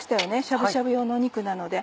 しゃぶしゃぶ用の肉なので。